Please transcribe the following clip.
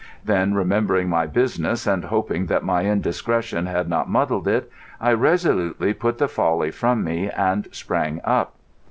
Then, remembering my business and hoping that my indiscretion had not muddled it, I resolutely put the folly from me and sprang up.